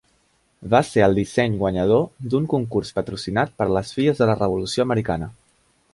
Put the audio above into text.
Va ser el disseny guanyador d'un concurs patrocinat per les Filles de la Revolució Americana.